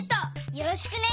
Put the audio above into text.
よろしくね！